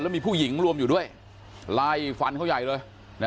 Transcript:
มีผู้หญิงรวมอยู่ด้วยไล่ฟันเขาใหญ่เลย